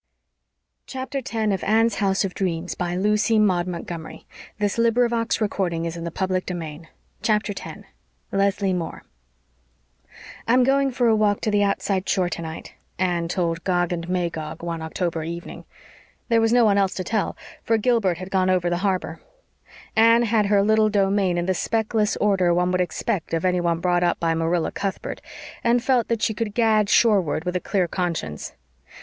Instead, he has nothing but a magnificent cat." But Anne was mistaken. Captain Jim had more than that. He had a memory. CHAPTER 10 LESLIE MOORE "I'm going for a walk to the outside shore tonight," Anne told Gog and Magog one October evening. There was no one else to tell, for Gilbert had gone over the harbor. Anne had her little domain in the speckless order one would expect of anyone brought up by Marilla Cuthbert, and felt that she could gad shoreward with a clear conscience.